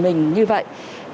mình như vậy